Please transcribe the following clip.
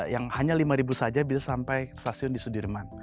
yang hanya lima saja bisa sampai stasiun di sudirman